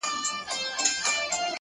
په يو خـمـار په يــو نـسه كــي ژونــدون;